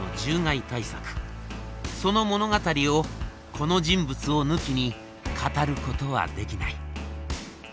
その物語をこの人物を抜きに語ることはできない。